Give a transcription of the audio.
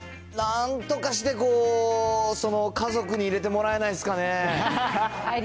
いやー、なんとかしてこう、家族に入れてもらえないっすかね。